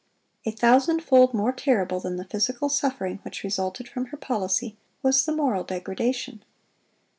A thousandfold more terrible than the physical suffering which resulted from her policy, was the moral degradation.